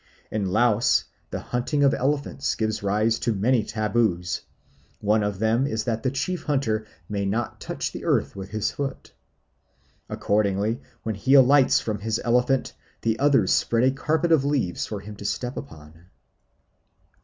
In Laos the hunting of elephants gives rise to many taboos; one of them is that the chief hunter may not touch the earth with his foot. Accordingly, when he alights from his elephant, the others spread a carpet of leaves for him to step upon.